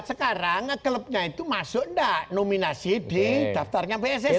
sekarang klubnya itu masuk tidak nominasi di daftarnya pssi